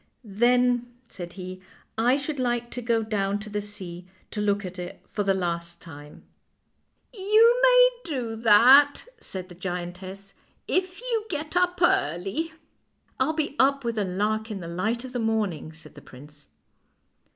" Then," said he, " I should like to go down to the sea to look at it for the last time." 144 FAIRY TALES " You may do that," said the giantess, " if you get up early." " I'll be up with the lark in the light of the morning," said the prince.